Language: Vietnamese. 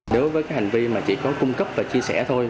đối với cái hành vi mà chỉ có cung cấp và chia sẻ thôi